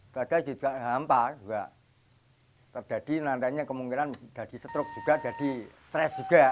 jadi juga hampa kemungkinan jadi struk jadi stres juga